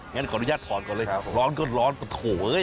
งั้นขออนุญาตถอดก่อนเลยร้อนก็ร้อนปะโถเอ้ย